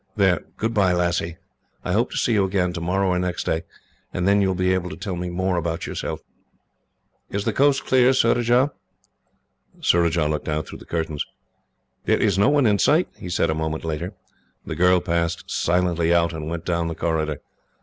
"There, goodbye, lassie. I hope to see you again, tomorrow or next day, and then you will be able to tell me more about yourself. "Is the coast clear, Surajah?" Surajah looked out through the curtains. "There is no one in sight," he said, a moment later. The girl passed silently out, and went down the corridor.